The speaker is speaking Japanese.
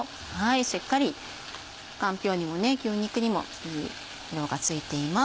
しっかりかんぴょうにも牛肉にもいい色がついています。